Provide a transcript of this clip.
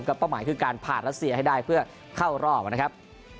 เป้าหมายคือการผ่านรัสเซียให้ได้เพื่อเข้ารอบนะครับ